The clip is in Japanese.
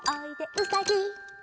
「うさぎ」「」